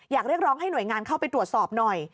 เรียกร้องให้หน่วยงานเข้าไปตรวจสอบหน่อย